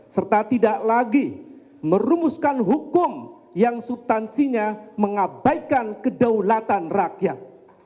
serta tidak lagi merumuskan hukum yang subtansinya mengabaikan kedaulatan rakyat